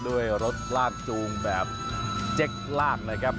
ด้วยรถลากจูงแบบเจ็กลากเลยครับ